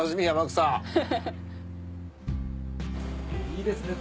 いいですね